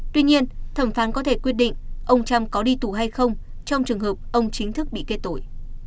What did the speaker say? tuy nhiên thẩm phán có thể quyết định ông trump có đi tù hay không trong trường hợp ông chính thức bị kết tội